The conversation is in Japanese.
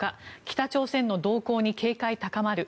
北朝鮮の動向に警戒高まる。